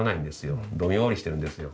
どんよりしてるんですよ。